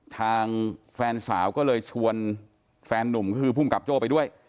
ทางแฟนสาวก็เลยชวนแฟนนุ่มก็คือภูมิกับโจ้ไปด้วย